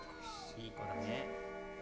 いい子だね。